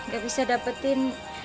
gak bisa dapetin